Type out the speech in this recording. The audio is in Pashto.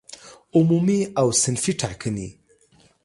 عمومي او صنفي ټاکنې